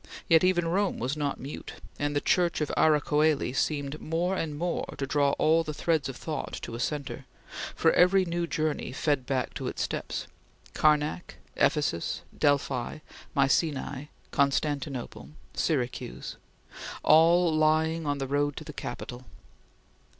Yet even Rome was not mute, and the church of Ara Coeli seemed more and more to draw all the threads of thought to a centre, for every new journey led back to its steps Karnak, Ephesus, Delphi, Mycenæ, Constantinople, Syracuse all lying on the road to the Capitol.